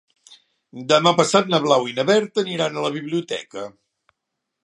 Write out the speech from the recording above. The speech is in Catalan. Demà passat na Blau i na Berta aniran a la biblioteca.